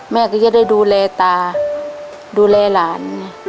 แม่ก็จะได้ดูแลตาดูแลหลาน